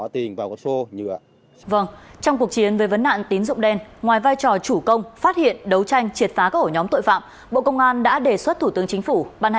trong cuộc chiến về vấn nạn tín dụng đen ngoài vai trò chủ công phát hiện đấu tranh triệt phá các ổ nhóm tội phạm bộ công an đã đề xuất thủ tướng chính phủ